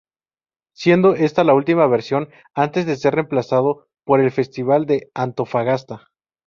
Siendo esta la última versión antes de ser reemplazado por el Festival de Antofagasta.